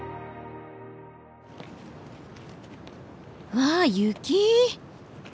わあ雪！